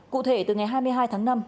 cụ thể từ ngày hai mươi hai tháng năm